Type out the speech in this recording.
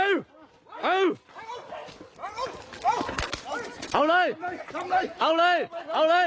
บุกให้มันมันเร็วไปเอาเลยเอาเลยเอาเลย